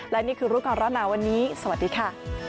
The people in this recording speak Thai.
และนี่คือรูปกรณ์แล้วนะวันนี้สวัสดีค่ะ